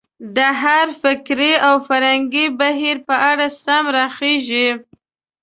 د هر فکري او فرهنګي بهیر په اړه سم راخېژي.